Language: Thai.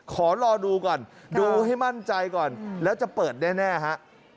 ขอรอดูก่อนดูให้มั่นใจก่อนแล้วจะเปิดแน่ฮะ